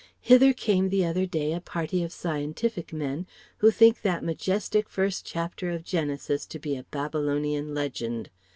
Hither came the other day a party of scientific men who think that majestic first chapter of Genesis to be a Babylonian legend!